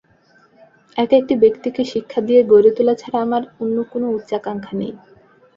এক-একটি ব্যক্তিকে শিক্ষা দিয়ে গড়ে তোলা ছাড়া আমার অন্য কোন উচ্চাকাঙ্ক্ষা নেই।